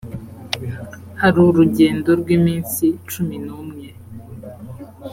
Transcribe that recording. hari urugendo rw’iminsi cumi n’umwe.